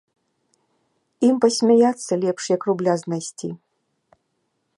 Ім пасмяяцца лепш, як рубля знайсці.